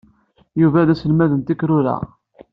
Yuba d aselmad n tekrura.